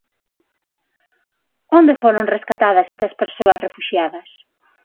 Onde foron rescatadas estas persoas refuxiadas?